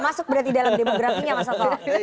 masuk berarti dalam demografinya mas sato